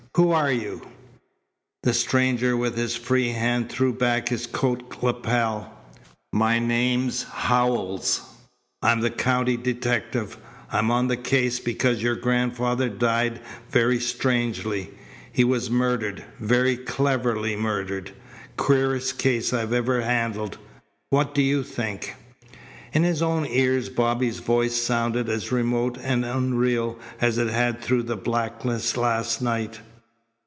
"Who are you?" The stranger with his free hand threw back his coat lapel. "My name's Howells. I'm a county detective. I'm on the case, because your grandfather died very strangely. He was murdered, very cleverly murdered. Queerest case I've ever handled. What do you think?" In his own ears Bobby's voice sounded as remote and unreal as it had through the blackness last night.